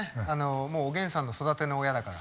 もうおげんさんの育ての親だから。